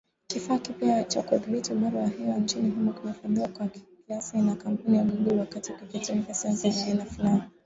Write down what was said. Kifaa kipya cha kudhibiti ubora wa hewa nchini humo kimefadhiliwa kwa kiasi na kampuni ya Google, wakati kikitumia sensa ya aina fulani.